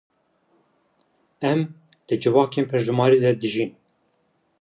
Em di civakên pirjimarî de dijîn.